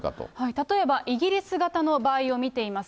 例えばイギリス型の場合を見てみます。